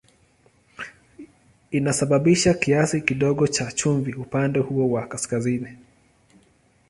Inasababisha kiasi kidogo cha chumvi upande huo wa kaskazini.